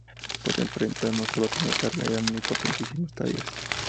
Pero la imprenta no sólo tenía a cargo estas importantísimas tareas.